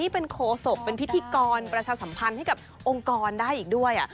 เป็นโคศกเป็นพิธีกรประชาสัมพันธ์ให้กับองค์กรได้อีกด้วย